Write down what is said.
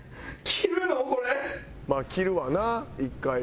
まあ着るわな１回。